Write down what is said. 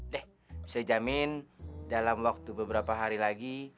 deh saya jamin dalam waktu beberapa hari lagi